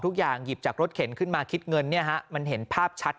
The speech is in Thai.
หยิบจากรถเข็นขึ้นมาคิดเงินเนี่ยฮะมันเห็นภาพชัด